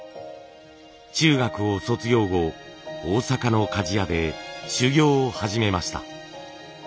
中学を卒業後大阪の鍛冶屋で修業を始めました。